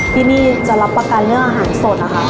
ที่นี่จะรับประกันเรื่องอาหารสดนะคะ